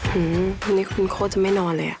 หือวันนี้คุณโคตรจะไม่นอนเลย